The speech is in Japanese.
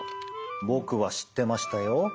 僕は知ってましたよ。